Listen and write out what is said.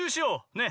ねっ！